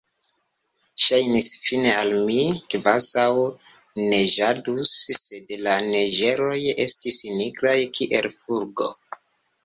Ŝajnis fine al mi, kvazaŭ neĝadus, sed la neĝeroj estis nigraj kiel fulgo.